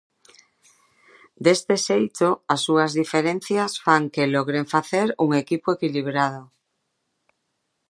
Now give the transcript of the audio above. Deste xeito, as súas diferencias fan que logren facer un equipo equilibrado.